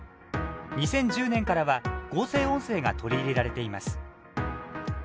２０１０年からは、合成音声が取り入れられています。